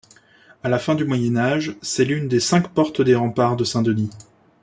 À la fin du Moyen-Âge, c'est l’une des cinq portes des remparts de Saint-Denis.